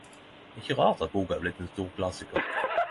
Ikkje rart at boka er blitt ein stor klassikar!